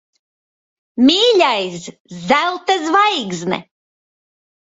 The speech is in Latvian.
Mīļais! Zelta zvaigzne.